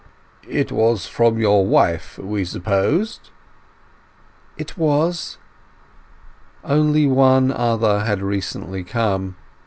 "It was from your wife, we supposed?" "It was." Only one other had recently come.